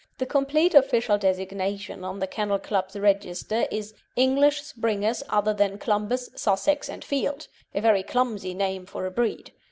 The complete official designation on the Kennel Club's register is "English Springers other than Clumbers, Sussex, and Field," a very clumsy name for a breed.